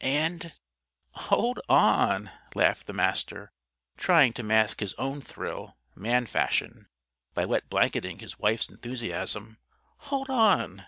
And " "Hold on!" laughed the Master, trying to mask his own thrill, man fashion, by wetblanketing his wife's enthusiasm. "Hold on!